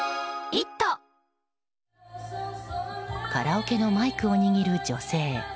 カラオケのマイクを握る女性。